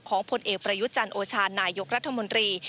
ของพลเอกประยุจันโอชารนายยกรัฐมนตรี